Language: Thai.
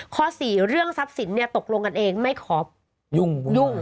ข้อสี่เรื่องทรัพย์สินตกลงกันเองไม่ขอยุ่ง